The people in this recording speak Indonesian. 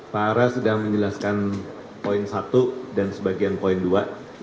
pak ara sedang menjelaskan poin satu dan sebagian poin dua